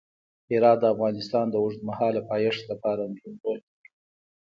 هرات د افغانستان د اوږدمهاله پایښت لپاره مهم رول لري.